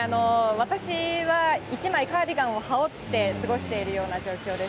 私は１枚カーディガンを羽織って過ごしているような状況です。